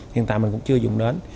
hiện tại mình cũng chưa dùng đến